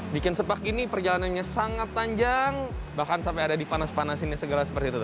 bikin sepak gini perjalanannya sangat panjang bahkan sampai ada dipanas panasin segala seperti itu